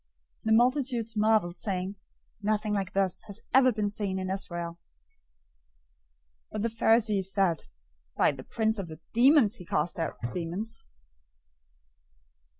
The multitudes marveled, saying, "Nothing like this has ever been seen in Israel!" 009:034 But the Pharisees said, "By the prince of the demons, he casts out demons."